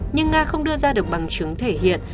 nhưng nga không đưa ra được bằng chứng thể hiện